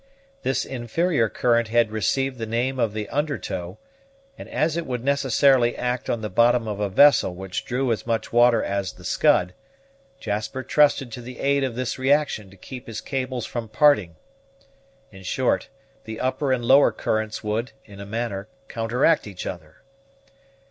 This inferior current had received the name of the under tow, and, as it would necessarily act on the bottom of a vessel which drew as much water as the Scud, Jasper trusted to the aid of this reaction to keep his cables from parting. In short, the upper and lower currents would, in a manner, counteract each other.